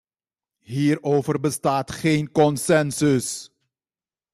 Hierover bestaat geen consensus.